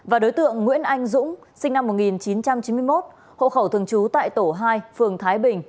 và đối tượng nguyễn anh dũng sinh năm một nghìn chín trăm chín mươi một hộ khẩu thường trú tại tổ hai phường thái bình